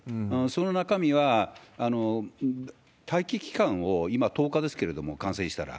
その中身は、待機期間を、今１０日ですけれども、感染したら。